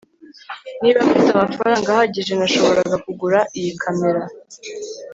Niba mfite amafaranga ahagije nashoboraga kugura iyi kamera